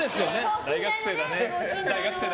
大学生だね。